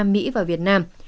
mỹ và việt nam